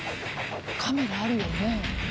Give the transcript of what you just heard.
カメラあるよね。